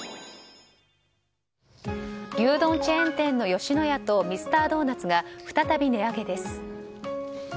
牛丼チェーン店の吉野家とミスタードーナツが再び値上げです。